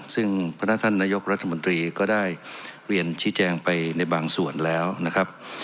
ซึ่งพนักท่านนายกรัฐมนตรีก็ได้เรียนชี้แจงไปในบางส่วนแล้วนะครับ